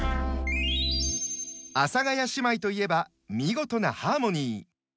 阿佐ヶ谷姉妹といえば見事なハーモニー。